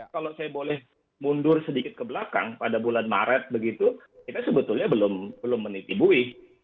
kalau saya boleh mundur sedikit ke belakang pada bulan maret begitu kita sebetulnya belum menitibuih